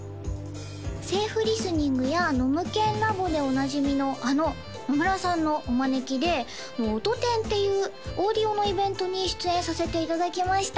セーフリスニングやノムケンＬａｂ！でおなじみのあの野村さんのお招きでＯＴＯＴＥＮっていうオーディオのイベントに出演させていただきました